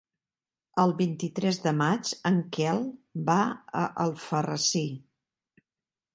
El vint-i-tres de maig en Quel va a Alfarrasí.